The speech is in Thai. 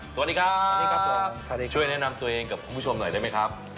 สวัสดีครับสวัสดีครับผมช่วยแนะนำตัวเองกับคุณผู้ชมหน่อยได้ไหมครับ